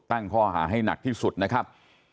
ตั้งข้อหาให้หนักที่สุดนะครับ